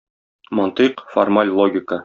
Мантыйк - формаль логика.